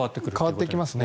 変わってきますね。